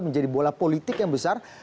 menjadi bola politik yang besar